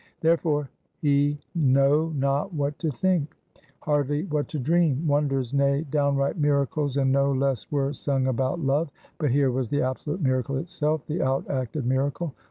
Therefore, he know not what to think; hardly what to dream. Wonders, nay, downright miracles and no less were sung about Love; but here was the absolute miracle itself the out acted miracle.